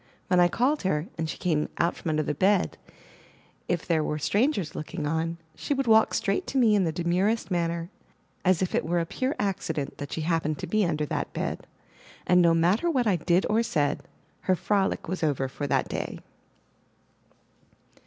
When I called her, and she came out from under the bed, if there were strangers looking on, she would walk straight to me in the demurest manner, as if it were a pure 317 MY BOOK HOUSE accident that she happened to be under that bed; and no matter what I did or said, her froHc was over for that day.